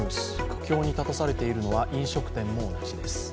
苦境に立たされているのは飲食店も同じです。